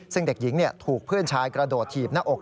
ซึ่งเด็กหญิงถูกเพื่อนชายกระโดดถีบหน้าอก